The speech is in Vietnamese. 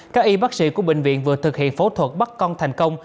các y bác sĩ của bệnh viện vừa thực hiện phẫu thuật bắt con thành công